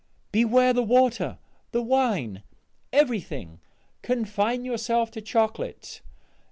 _ Beware the water, the wine, everything; confine yourself to chocolate.